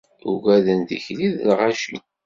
Ugaden tikli d lɣaci